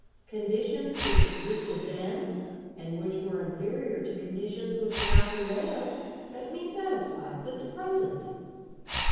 Conditions which existed then and which were inferior to conditions which now prevail make me satisfied with the present.